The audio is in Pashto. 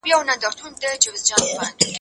زه اوس د سبا لپاره د نوي لغتونو يادوم!